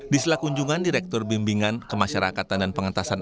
di selakunjungan direktur bimbingan kemasyarakatan dan pengentasan